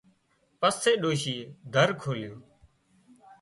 پسي ڏوشيئي در کولُيون